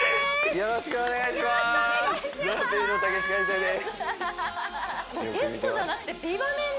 よろしくお願いします